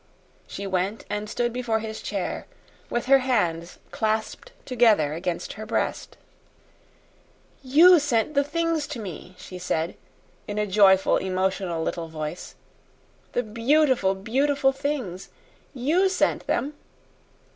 She went and stood before his chair, with her hands clasped together against her breast. "You sent the things to me," she said, in a joyful emotional little voice, "the beautiful, beautiful things? YOU sent them!"